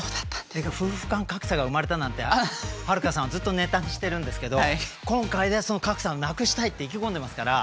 「夫婦間格差が生まれた」なんて悠さんはずっとネタにしてるんですけど今回でその格差をなくしたいって意気込んでますから。